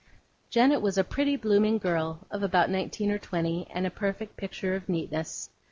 Janet was a pretty blooming girl, of about nineteen or twenty, and a perfect picture of neatness.